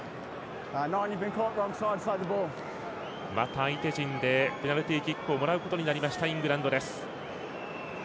また相手陣でペナルティキックをもらうことになりましたイングランド。